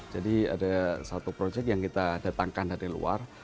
jadi ada satu proyek yang kita datangkan dari luar